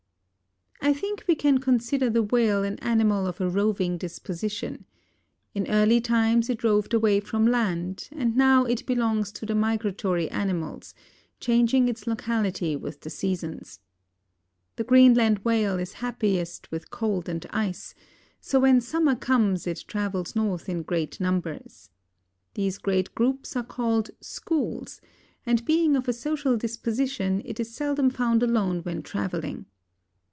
I think we can consider the whale an animal of a roving disposition. In early times it roved away from land, and now it belongs to the migratory animals, changing its locality with the seasons. The Greenland Whale is happiest with cold and ice, so when summer comes it travels north in great numbers. These great groups are called schools, and being of a social disposition, it is seldom found alone when traveling.